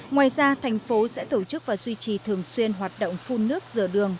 ngoài ra thành phố sẽ tổ chức và duy trì thường xuyên hoạt động phun nước rửa đường